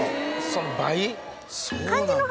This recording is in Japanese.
そうなんだ。